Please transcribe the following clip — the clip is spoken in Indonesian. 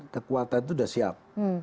kekuatan sudah siap